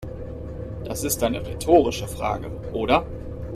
Das ist eine rhetorische Frage, oder?